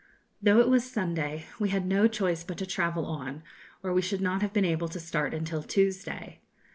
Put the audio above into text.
Though it was Sunday, we had no choice but to travel on, or we should not have been able to start until Tuesday.